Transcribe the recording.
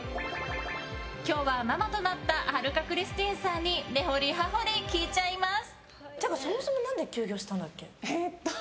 今日はママとなった春香クリスティーンさんに根掘り葉掘り聞いちゃいます！